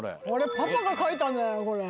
パパが書いたんじゃないの？